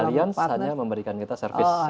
kalian hanya memberikan kita service